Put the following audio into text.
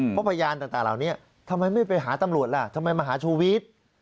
เพราะพยานต่างเหล่านี้ทำไมไม่ไปหาตำรวจล่ะทำไมมาหาชูวิทย์